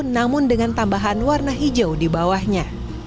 namun dengan tambahan warna hijau di bawahnya